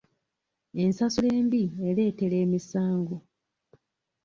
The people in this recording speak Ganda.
Ensasula embi ereetera emisango.